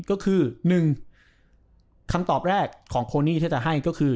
ก็คือ๑คำตอบแรกของโคนี่ถ้าจะให้ก็คือ